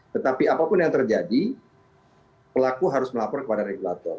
tetapi apapun yang terjadi pelaku harus melapor kepada regulator